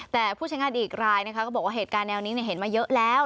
แต่ผู้ใช้งานอีกรายนะคะก็บอกว่าเหตุการณ์แนวนี้เห็นมาเยอะแล้ว